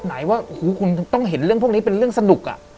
ไหนว่าโอ้โหคุณต้องเห็นเรื่องพวกนี้เป็นเรื่องสนุก